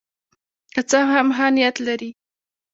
که څه هم ښه نیت لري.